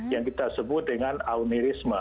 yang kita sebut dengan aunirisme